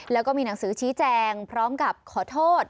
แล้วก็มีหนังสือชี้แจงพร้อมกับขอโทษ